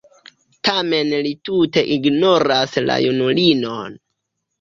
Tamen li tute ignoras la junulinon.